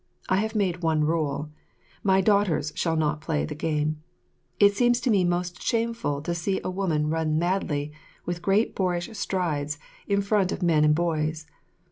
I have made one rule: my daughters shall not play the game. It seems to me most shameful to see a woman run madly, with great boorish strides, in front of men and boys.